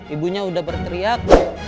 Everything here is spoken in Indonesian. ibunya udah berteriak